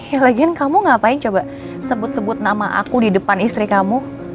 ya lagian kamu ngapain coba sebut sebut nama aku di depan istri kamu